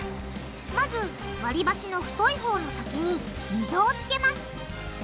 まず割り箸の太いほうの先に溝をつけます。